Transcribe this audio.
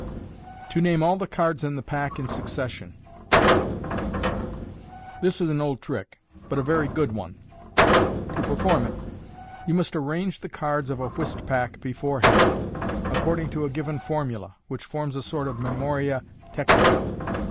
To Name all thb Cards in the Pack in Succession. ^ This is an old trick, but a very good one. To perform it, you muvw arrange the cards of a whist pack beforehand, according to a given formula, which forms a sort of memoria technica.